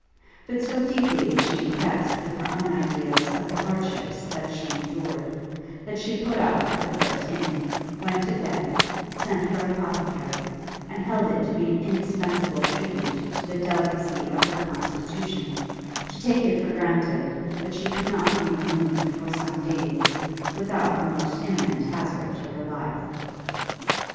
But so deeply was she impressed with her own ideas of the hardships that she endured, that she put up at the first inn, went to bed, sent for an apothecary, and held it to be an indispensable tribute to the delicacy of her constitution, to take it for granted that she could not be removed for some days, without the most imminent hazard to her life.